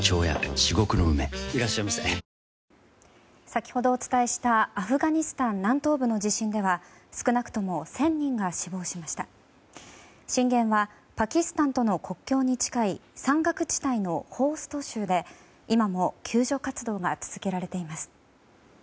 先ほどお伝えしたアフガニスタン南東部の地震では少なくとも１０００人が震源はパキスタンとの国境に近い山岳地帯のホースト州で今も救助活動が続けられています。